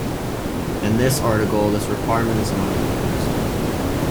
In this article this requirement is not imposed.